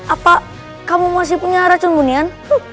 apa kamu masih punya racun hunian